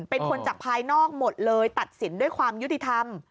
เป็นคนจากภายนอกหมดเลยตัดสินด้วยความยุติธรรม